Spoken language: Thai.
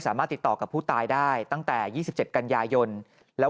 สามารถติดต่อกับผู้ตายได้ตั้งแต่ยี่สิบเจ็ดกัญญายนแล้ว